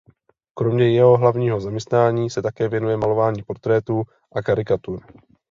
Kromě jeho hlavního zaměstnání se také věnuje malování portrétů a karikatur.